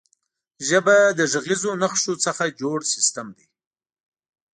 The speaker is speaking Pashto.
ژبه له غږیزو نښو څخه جوړ سیستم دی.